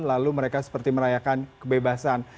lalu mereka seperti merayakan kebebasan